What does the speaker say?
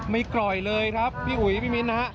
ไม่กร่อยเลยครับพี่อุ๋ยพี่มิ้นท์นะครับ